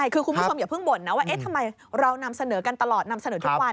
คือคุณผู้ชมอย่าเพิ่งบ่นนะว่าทำไมเรานำเสนอกันตลอดนำเสนอทุกวัน